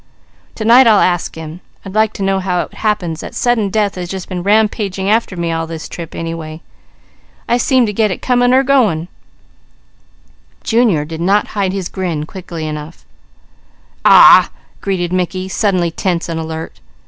To night I'll ask him. I'd like to know how it happens that sudden death has just been rampaging after me all this trip, anyway. I seemed to get it coming or going." Junior did not hide his grin quickly enough. "Aw w w ah!" grated Mickey, suddenly tense and alert.